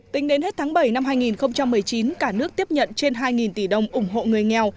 tính đến hết tháng bảy năm hai nghìn một mươi chín cả nước tiếp nhận trên hai tỷ đồng ủng hộ người nghèo